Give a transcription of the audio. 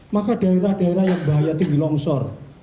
maka daerah daerah yang bahaya tinggi longsor